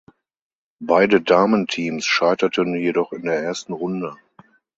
Beide Damenteams scheiterten jedoch in der ersten Runde.